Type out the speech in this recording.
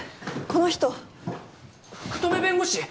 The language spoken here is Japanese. この人福留弁護士